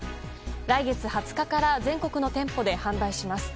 来月２０日から全国の店舗で販売します。